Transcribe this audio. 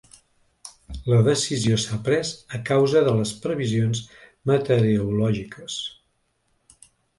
La decisió s’ha pres a causa de les previsions meteorològiques.